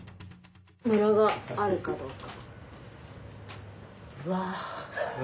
ムラがあるかどうか。